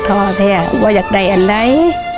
พ่อแท้ว่าอยากได้อะไร